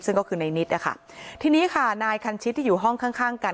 ซึ่งก็คือในนิดนะคะทีนี้ค่ะนายคันชิตที่อยู่ห้องข้างข้างกัน